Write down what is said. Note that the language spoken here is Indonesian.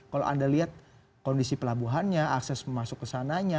kalau anda lihat kondisi pelabuhannya akses masuk ke sananya